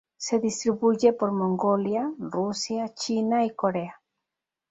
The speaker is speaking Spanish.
Se distribuye por Mongolia, Rusia, China y Corea.